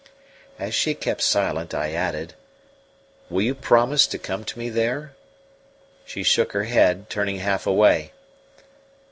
As she kept silent, I added: "Will you promise to come to me there?" She shook her head, turning half away.